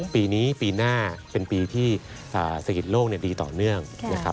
ปีนี้ปีหน้าเป็นปีที่เศรษฐกิจโลกดีต่อเนื่องนะครับ